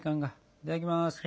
いただきます。